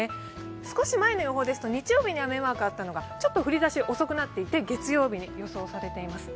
少し前の予報ですと、日曜日に雨マークがあったのがちょっと降りだしが遅くなっていて月曜日に予想されています。